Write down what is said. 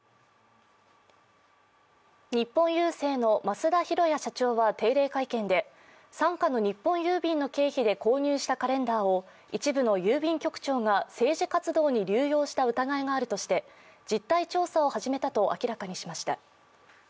日本郵政の増田寛也社長は定例会見で傘下の日本郵便の経費で購入したカレンダーを一部の郵便局長が政治活動に流用した疑いがあるとして実態調査を始めたと明らかにしました。